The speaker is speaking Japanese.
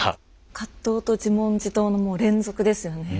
葛藤と自問自答のもう連続ですよね。